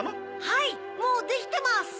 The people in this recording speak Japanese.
はいもうできてます。